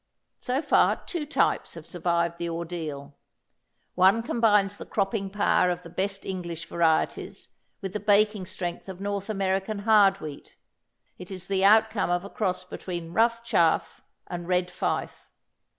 So far two types have survived the ordeal. One combines the cropping power of the best English varieties with the baking strength of North American hard wheat. It is the outcome of a cross between Rough Chaff and Red Fife.